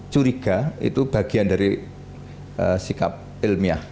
curiga itu bagian dari sikap ilmiah